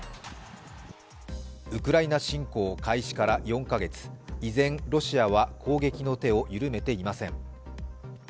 ウクライナ侵攻開始から４カ月、依然、ロシアは攻撃の手をゆるめていません。